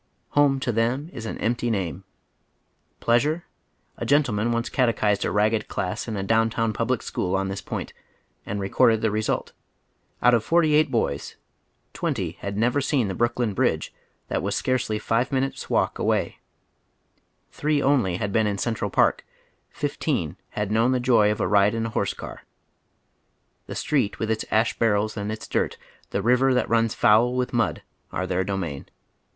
Home to them is an empty name. Pleasure ? A gentle man once catechized a ragged class in a down town public school on this point, and I'ecorded the result : Oat of for ty eight boys twenty had never seen the Brooklyn Bridge that was scarcely five minutes' walk away, three only had been in Central Park, fifteen had known the joy of a ride in a horse car. _ The sti'eet, with its ash barrels and its dirt, the river that rims foul with mud, are their domain.